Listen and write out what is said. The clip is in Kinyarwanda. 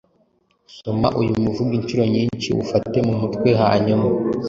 Soma uyu muvugo inshuro nyinshi, uwufate mu mutwe, hanyuma